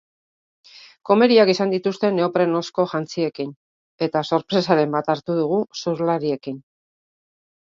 Komeriak izan dituzte neoprenozko jantziekin, eta sorpresaren bat hartu dugu surflariekin.